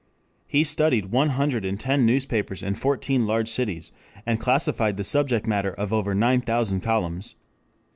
He studied one hundred and ten newspapers in fourteen large cities, and classified the subject matter of over nine thousand columns.